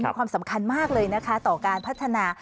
มีความสำคัญมากเลยนะคะต่อการพัฒนา